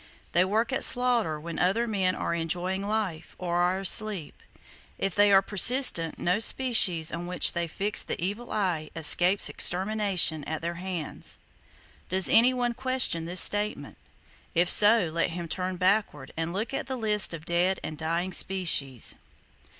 They work at slaughter when other men are enjoying life, or are asleep. If they are persistent, no species on which they fix the Evil Eye escapes extermination at their hands. Does anyone question this statement? If so let him turn backward and look at the lists of dead and dying species.